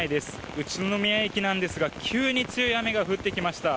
宇都宮駅なんですが急に強い雨が降ってきました。